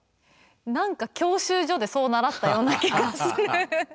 何か教習所でそう習ったような気がする。